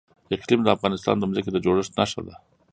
اقلیم د افغانستان د ځمکې د جوړښت نښه ده.